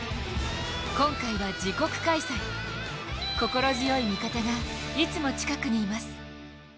今回は自国開催、心強い味方がいつも近くにいます。